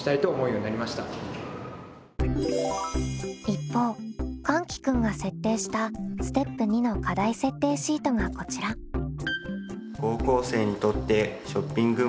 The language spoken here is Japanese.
一方かんき君が設定したステップ２の課題設定シートがこちら。と思いました。